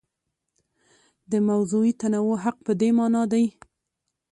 د موضوعي تنوع حق په دې مانا دی.